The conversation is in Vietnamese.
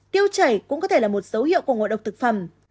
tiêu chảy cũng có thể là một dấu hiệu của ngộ độc thực phẩm